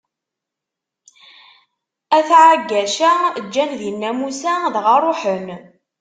At Ɛaggaca ǧǧan dinna Musa dɣa ṛuḥen.